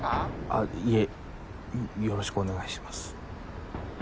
あっいえよろしくお願いします。